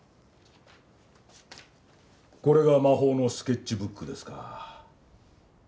これが魔法のスケッチブックですか。